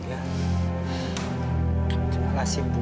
terima kasih ibu